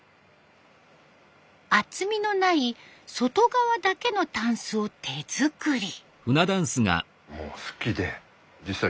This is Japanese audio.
厚みのない外側だけの箪笥を手作り。